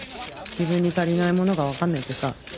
自分に足りないものが分かんないってさ。